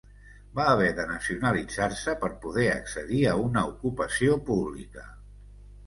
Va haver de nacionalitzar-se per poder accedir a una ocupació pública.